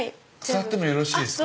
触ってもよろしいですか？